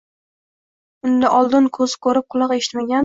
Unda oldin ko'z ko'rib, quloq eshitmagan